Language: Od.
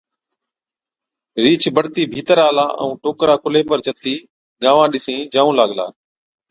رِينڇ بڙتِي ڀِيتر آلا ائُون ٽوڪرا ڪُلهي پر چتِي گانوان ڏِسِين جائُون لاگلا۔